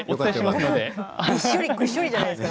ぐっしょりじゃないですか。